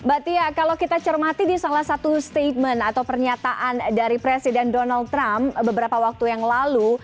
mbak tia kalau kita cermati di salah satu statement atau pernyataan dari presiden donald trump beberapa waktu yang lalu